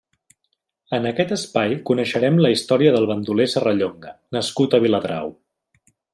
En aquest espai coneixerem la història del bandoler Serrallonga, nascut a Viladrau.